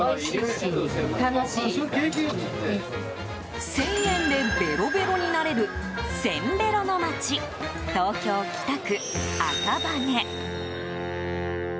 １０００円でベロベロになれるせんべろの街、東京・北区赤羽。